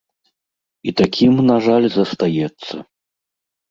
І такім, на жаль, застаецца.